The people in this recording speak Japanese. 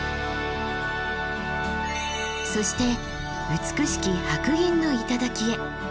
そして美しき白銀の頂へ。